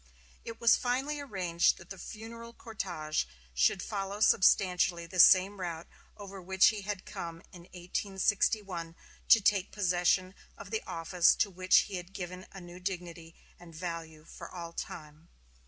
It was finally arranged that the funeral cortege should follow substantially the same route over which he had come in 1861 to take possession of the office to which he had given a new dignity and value for all time.